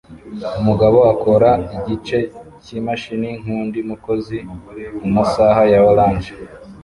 Umugabo akora igice cyimashini nkundi mukozi mumasaha ya orange